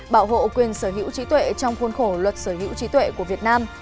bảo hộ quyền sở hữu trí tuệ trong khuôn khổ luật sở hữu trí tuệ của việt nam